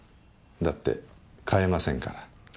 だって飼えませんから。